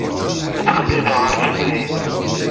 La ttqellibeɣ ɣef umahil.